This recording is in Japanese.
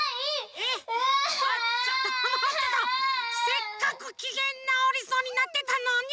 せっかくきげんなおりそうになってたのに！